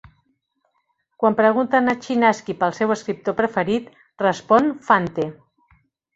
Quan pregunten a Chinaski pel seu escriptor preferit, respon Fante.